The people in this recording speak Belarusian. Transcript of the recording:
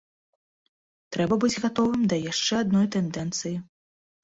Трэба быць гатовым і да яшчэ адной тэндэнцыі.